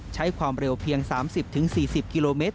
ใช้ความเร็วเพียงสามสิบถึงสี่สิบกิโลเมตร